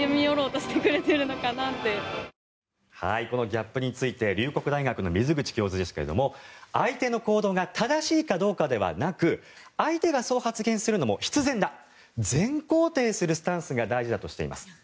このギャップについて龍谷大学の水口教授ですが相手の行動が正しいかどうかではなく相手がそう発言するのも必然だ全肯定するスタンスが大事だとしています。